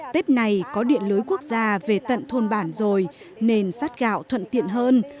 tết này có điện lưới quốc gia về tận thôn bản rồi nên sát gạo thuận tiện hơn